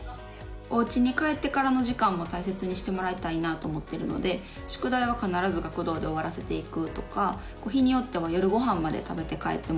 おうちに帰ってからの時間も大切にしてもらいたいなと思っているので宿題は必ず学童で終わらせていくとか日によっては夜ご飯まで食べて帰ってもらえる。